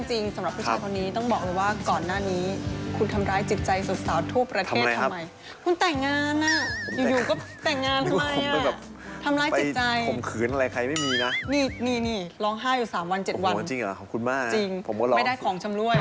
จริงหรอขอบคุณมากอ่ะจริงไม่ได้ของฉำล่้วน